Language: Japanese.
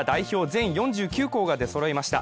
全４９校が出そろいました。